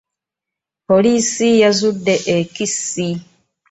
Poliisi yazudde ekkisi.